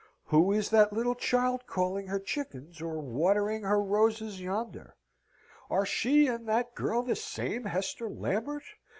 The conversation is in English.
Who is that little child calling her chickens, or watering her roses yonder? Are she and that girl the same Hester Lambert?